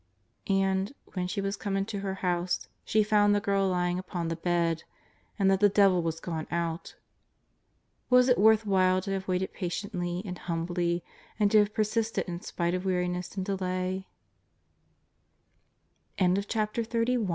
And, when she was come into her house, she found the girl lying upon the bed, and that the devil was gone out. Was it worth while to have waited patiently and humbly, and to have persisted in spite